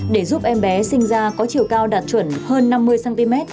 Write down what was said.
để giúp em bé sinh ra có chiều cao đạt chuẩn hơn năm mươi cm